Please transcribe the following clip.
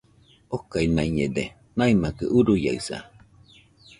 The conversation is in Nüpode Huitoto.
okainaiñede, naimakɨ uruiaɨsa